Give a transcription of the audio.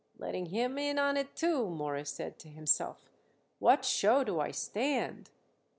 "Letting him in on it, too," Morris said to himself. "What show do I stand?"